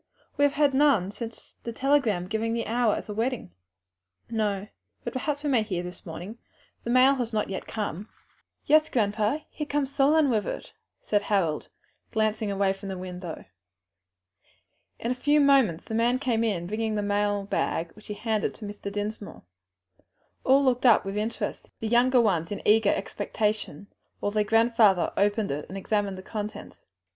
"We have had none since the telegram giving the hour for the wedding." "No, but perhaps we may hear this morning the mail has not come yet." "Yes, grandpa; here comes Solon with it," said Harold, glancing from the window. In a few moments the man came in bringing the mail bag, which he handed to Mr. Dinsmore. All looked on with interest, the younger ones in eager expectation, while their grandfather opened it and examined the contents.